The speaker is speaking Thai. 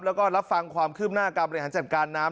แล้วก็รับฟังความคืบหน้าการบริหารจัดการน้ำ